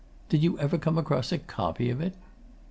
Did you ever come across a copy of it?